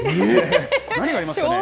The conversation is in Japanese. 何がありますかね。